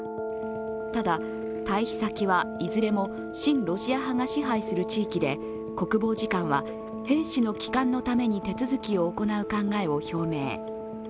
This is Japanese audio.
ただ、退避先はいずれも親ロシア派が支配する地域で国防次官は兵士の帰還のために手続きを行う考えを表明。